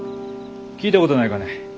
聞いたことないかね？